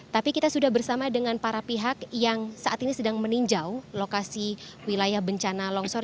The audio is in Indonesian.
tapi kita sudah bersama dengan para pihak yang saat ini sedang meninjau lokasi wilayah bencana longsor